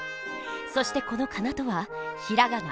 そしてこの仮名とはひらがな